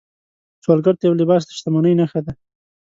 سوالګر ته یو لباس د شتمنۍ نښه ده